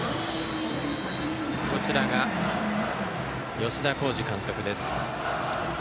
吉田洸二監督です。